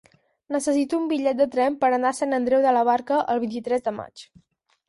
Necessito un bitllet de tren per anar a Sant Andreu de la Barca el vint-i-tres de maig.